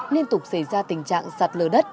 liên tục xảy ra tình trạng sạt lở đất